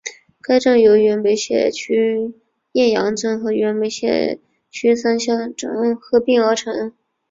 该镇由原梅县区雁洋镇和原梅县区三乡镇合并而成。